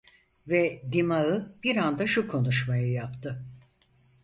Ve dimağı bir anda şu konuşmayı yaptı: